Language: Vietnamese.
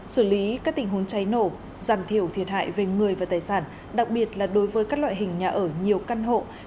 xử lý các tình huống cháy nổ giảm thiểu thiệt hại về người và tài sản đặc biệt là đối với các loại hình nhà ở nhiều căn hộ